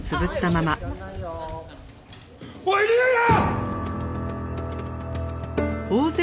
おい竜也！